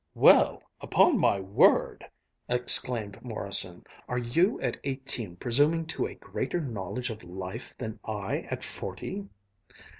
"Well, upon my word!" exclaimed Morrison. "Are you at eighteen presuming to a greater knowledge of life than I at forty?"